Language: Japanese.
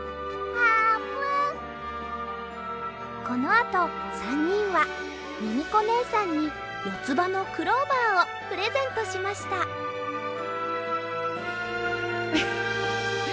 このあと３にんはミミコねえさんによつばのクローバーをプレゼントしましたウフフッ。